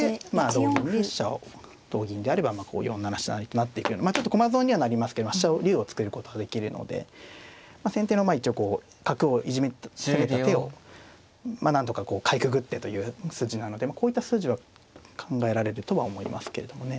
同銀に飛車を同銀であれば４七飛車成と成っていくようにちょっと駒損にはなりますけど飛車を竜を作ることはできるので先手のまあ一応角を攻めた手をなんとかこうかいくぐってという筋なのでこういった筋は考えられるとは思いますけれどもね。